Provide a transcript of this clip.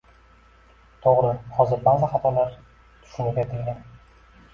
To`g`ri, hozir ba`zi xatolar tushunib etilgan